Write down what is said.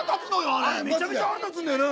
あれめちゃめちゃ腹立つんだよな。